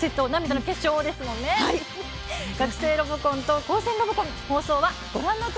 「学生ロボコン」と「高専ロボコン」。